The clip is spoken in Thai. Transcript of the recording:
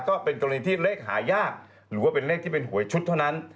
ก็เป็นกรณีที่เลขหายากหรือว่าเป็นเลขที่เป็นหวยชุดเท่านั้น